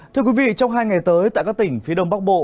thưa quý vị trong hai ngày tới tại các tỉnh phía đông bắc bộ